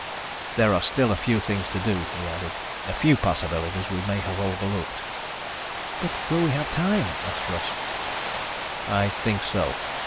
"There are still a few things to do," he added. "A few possibilities we may have overlooked." "But will we have time?" asked Russ. "I think so.